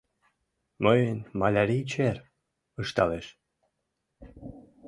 Мыйын малярий чер, — ышталеш.